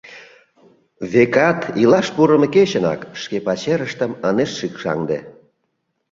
Векат, илаш пурымо кечынак шке пачерыштым ынешт шикшаҥде.